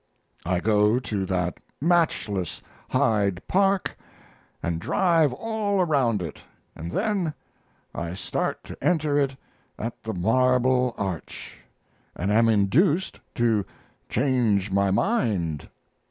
I go to that matchless Hyde Park and drive all around it, and then I start to enter it at the Marble Arch and am induced to "change my mind."